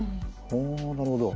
ほうなるほど。